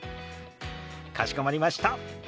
かしこまりました。